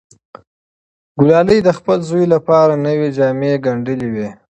ګلالۍ د خپل زوی لپاره نوې جامې ګنډلې وې.